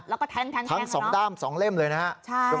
แล้วก็ทั้ง๒ด้าม๒เล่มเลยนะครับ